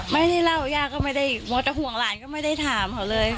แล้วเล่าให้ย่าฟังไหม